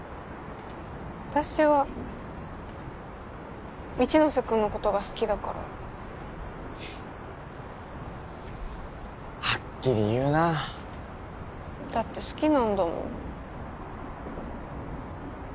私は一ノ瀬君のことが好きだからはっきり言うなあだって好きなんだもん